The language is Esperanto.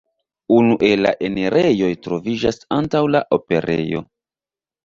Unu el la enirejoj troviĝas antaŭ la operejo.